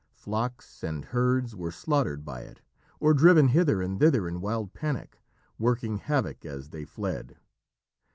Flocks and herds were slaughtered by it, or driven hither and thither in wild panic, working havoc as they fled.